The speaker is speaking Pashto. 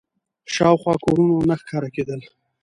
شاوخوا کورونه نه ښکاره کېدل.